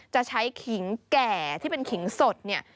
จะใช้ขิงแก่ที่เป็นขิงสดเนี่ย